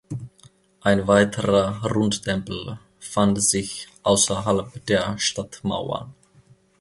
Ein weiterer Rundtempel fand sich außerhalb der Stadtmauern.